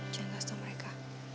jangan kasih tau mereka